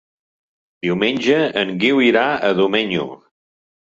Diumenge en Guiu irà a Domenyo.